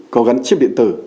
có gắn chip điện tử